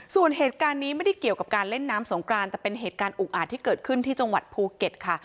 ส่วนเหตุการณ์นี้ไม่ได้เกี่ยวกับการเล่นน้ำสงกรานแต่เป็นเหตุการณ์อุกอาจที่เกิดขึ้นที่จังหวัดภูเก็ตค่ะ